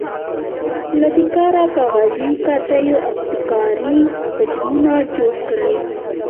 له بې کاره کاغذي قطیو ابتکاري حجمونه جوړ کړئ.